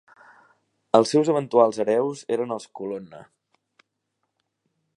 Els seus eventuals hereus eren els Colonna.